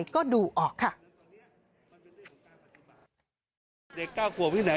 รู้กันอยู่แต่ไม่เป็นไร